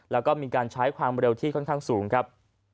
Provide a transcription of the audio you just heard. แล้วก็มีการใช้ความเร็วที่ค่อนข้างสูงครับ